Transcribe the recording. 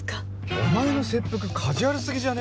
お前の切腹カジュアル過ぎじゃね？